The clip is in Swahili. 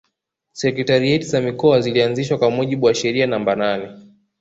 Sekretarieti za Mikoa zilianzishwa kwa mujibu wa sheria namba nane